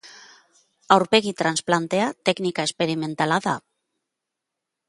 Aurpegi transplantea teknika esperimentala da.